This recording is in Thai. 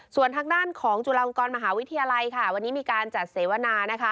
ส่วนทางด้านของจุฬาลงกรมหาวิทยาลัยค่ะวันนี้มีการจัดเสวนานะคะ